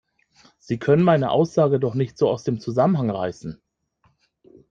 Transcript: Sie können meine Aussage doch nicht so aus dem Zusammenhang reißen!